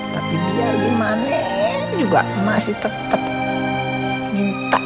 tapi dia gimana juga masih tetep minta